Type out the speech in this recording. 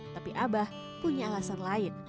tapi abah punya alasan lain